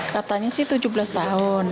katanya sih tujuh belas tahun